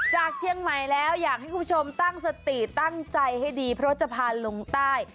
จากเชียงใหม่แล้วอยากให้คุณผู้ชมตั้งสติตั้งใจให้ดีเพราะจะพาลงใต้